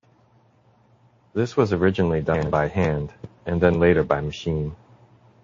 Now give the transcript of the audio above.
This was originally done by hand, and then later by machine.